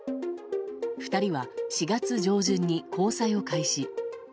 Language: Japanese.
２人は４月上旬に交際を開始。